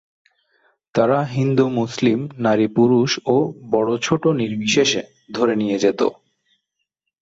তারা হিন্দু-মুসলিম, নারী-পুরুষ ও বড়-ছোট-নির্বিশেষে ধরে নিয়ে যেত।